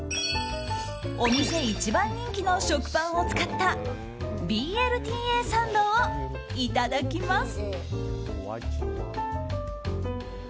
お店一番人気の食パンを使ったＢＬＴＡサンドをいただきます。